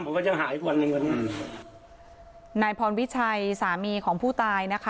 ผมก็ยังหาอีกวันนึงวันนี้อืมนายพรวิเฉยสามีของผู้ตายนะคะ